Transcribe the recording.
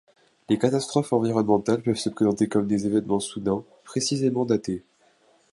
Les catastrophes environnementales peuvent se présenter comme des événements soudains, précisément datés.